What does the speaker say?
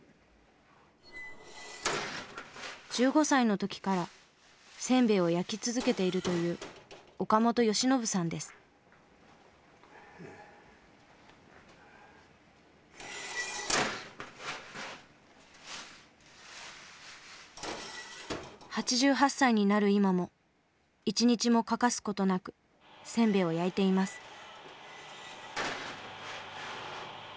１５歳の時からせんべいを焼き続けているという８８歳になる今も一日も欠かす事なくせんべいを焼いています。